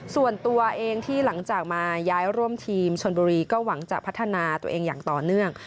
ส่วนตัวเองที่หลังจากมาย้ายร่วมทีมชนบุรีก็หวังจะพัฒนาตัวเองอย่างต่อเนื่อง